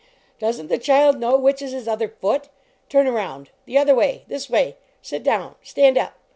Doesn t the child know which is his other foot? "Turn around! The other way! This way! Sit down !" Stand up